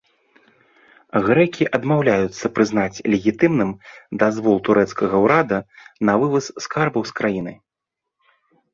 Грэкі адмаўляюцца прызнаць легітымным дазвол турэцкага ўрада на вываз скарбаў з краіны.